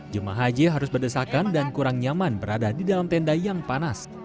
jemaah haji harus berdesakan dan kurang nyaman berada di dalam tenda yang panas